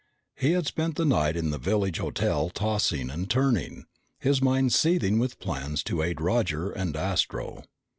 He had spent the night in the village hotel tossing and turning, his mind seething with plans to aid Roger and Astro.